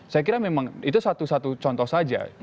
saya kira memang itu satu satu contoh saja